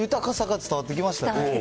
伝わってきましたね。